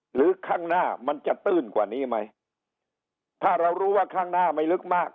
หรือข้างหน้ามันจะตื้นกว่านี้ไหมถ้าเรารู้ว่าข้างหน้าไม่ลึกมาก